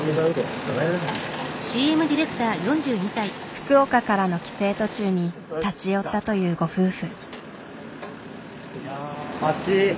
福岡からの帰省途中に立ち寄ったというご夫婦。